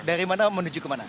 dari mana menuju ke mana